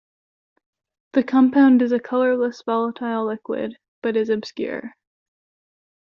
The compound is a colourless volatile liquid, but is obscure.